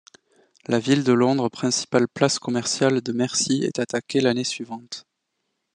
La ville de Londres, principale place commerciale de Mercie, est attaquée l'année suivante.